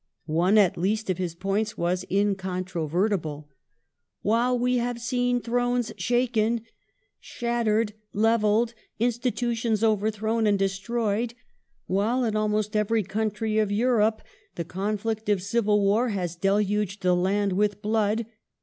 One at least of his points was incontrovertible. " While we have seen thrones shaken, shattered, levelled, institutions overthrown and destroyed — while in almost, every country of Europe the conflict of civil war has deluged the\ land with blood